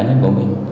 cả nhân của mình